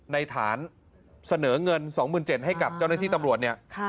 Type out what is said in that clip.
ในฐานเสนอเงิน๒๗๐๐๐บาทให้กับเจ้านาทีตำรวจ